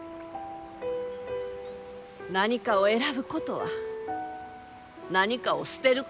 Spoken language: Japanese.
何かを選ぶことは何かを捨てることじゃ。